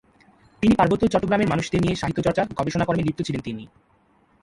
তিনি পার্বত্য চট্টগ্রামের মানুষদের নিয়ে সাহিত্যচর্চা গবেষণা কর্মে লিপ্ত ছিলেন তিনি।